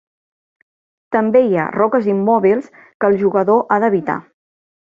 També hi ha roques immòbils que el jugador ha d'evitar.